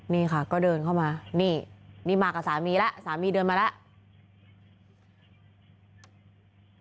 นี่ค่ะก็เดินเข้ามานี่นี่มากับสามีแล้วสามีเดินมาแล้ว